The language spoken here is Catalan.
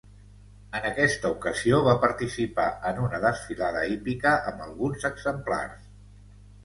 En aquesta ocasió va participar en una desfilada hípica amb alguns exemplars.